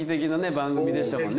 番組でしたもんね。